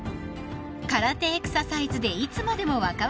［空手エクササイズでいつまでも若々しく］